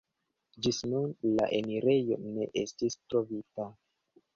Ĝis nun la enirejo ne estis trovita.